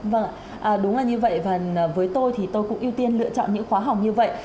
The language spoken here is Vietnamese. vâng đúng là như vậy và với tôi thì tôi cũng ưu tiên lựa chọn những khóa học như vậy